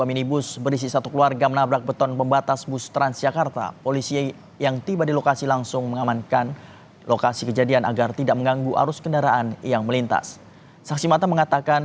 minibus terlihat ringsek pada bagian depan serta kaca depan minibus sepeda motor yang menyalip